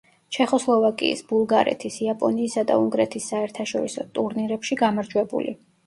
ჩეხოსლოვაკიის, ბულგარეთის, იაპონიისა და უნგრეთის საერთაშორისო ტურნირებში გამარჯვებული.